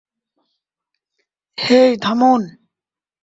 হেই, থামুন!